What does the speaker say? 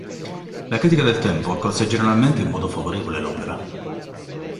La critica del tempo accolse generalmente in modo favorevole l'opera.